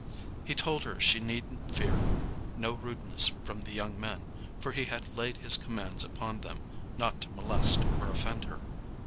He told her she need fear no rudeness from the young men, for he had laid his commands upon them not to molest or offend her.